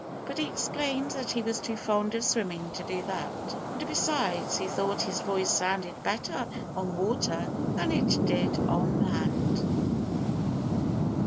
But he explained that he was too fond of swimming to do that. And besides, he thought his voice sounded better on water than it did on land.